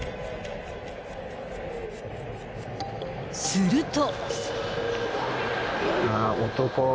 ［すると］